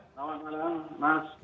selamat malam mas